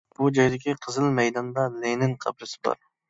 بۇ جايدىكى قىزىل مەيداندا لېنىن قەبرىسى بار.